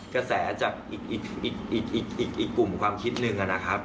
กระแสจากอีกกลุ่มความคิดหนึ่งนะครับ